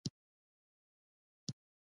اقتصادي خپلواکي نسبي ده.